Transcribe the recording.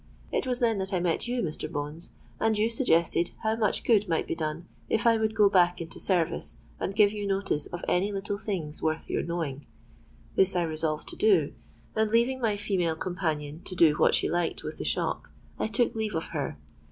It was then that I met you, Mr. Bones; and you suggested how much good might be done if I would go back into service, and give you notice of any little things worth your knowing. This I resolved to do; and, leaving my female companion to do what she liked with the shop, I took leave of her.